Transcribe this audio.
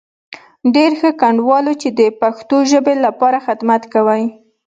ډېر ښه، ګډنوالو چې د پښتو ژبې لپاره خدمت کوئ.